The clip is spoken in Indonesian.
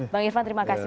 bang irfan terima kasih